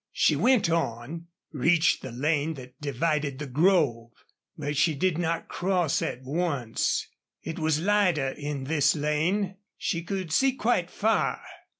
She went on reached the lane that divided the grove. But she did not cross at once. It was lighter in this lane; she could see quite far.